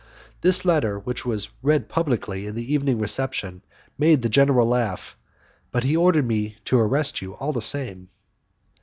This letter, which was read publicly at the evening reception, made the general laugh, but he ordered me to arrest you all the same."